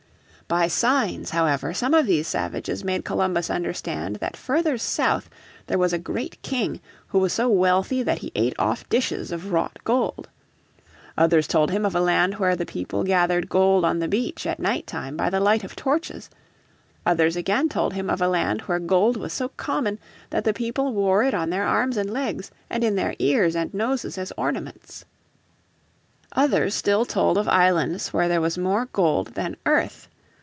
By signs, however, some of these savages made Columbus understand that further south there was a great king who was so wealthy that he ate off dishes of wrought gold. Others told him of a land where the people gathered gold on the beach at night time by the light of torches; others again told him of a land where gold was so common that the people wore it on their arms and legs, and in their ears and noses as ornaments. Others still told of islands where there was more gold than earth.